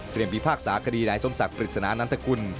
เตรียมพิพากษากดีไหนสมศักดิ์ปริศนานัตกุล